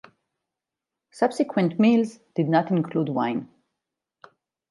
Subsequent meals did not include wine.